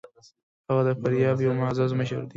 هغه د فاریاب یو معزز مشر دی.